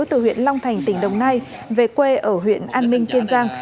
từ huyện long thành tỉnh đồng nai về quê ở huyện an minh kiên giang